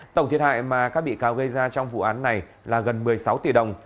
tổng thiệt hại mà các bị cáo gây ra trong vụ án này là gần một mươi sáu tỷ đồng